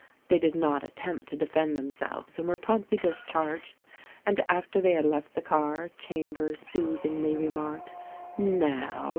They did not attempt to defend themselves and were promptly discharged ; and after they had left the car Chambers soothingly remarked: "Now!